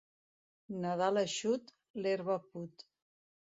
Nadal eixut, l'herba put.